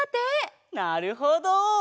なるほど！